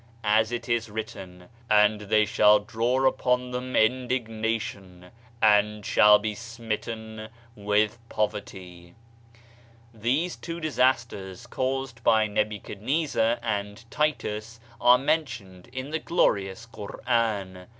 As it is written: "And they shall draw upon them indignation and shall be smitten with poverty.'* These two dis asters caused by Nebuchadnezzar and Titus are mentioned in the glorious Quran.